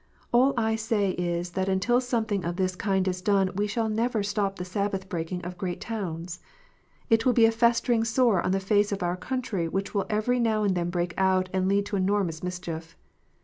All I say is that until something of this kind is done, we shall never stop the Sabbath breaking of great towns. It will be a festering sore on the face of our country, which will every now and then break out and lead to enormous mischief.